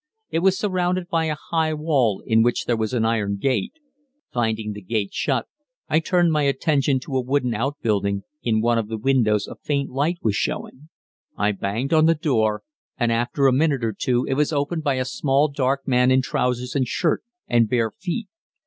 It was surrounded by a high wall in which there was an iron gate. Finding the gate shut, I turned my attention to a wooden outbuilding, in one of the windows a faint light was showing. I banged on the door, and after a minute or two it was opened by a small dark man in trousers and shirt and bare feet.